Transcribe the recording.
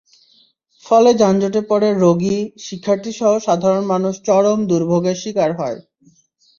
ফলে যানজটে পড়ে রোগী, শিক্ষার্থীসহ সাধারণ মানুষ চরম দুর্ভোগের শিকার হয়।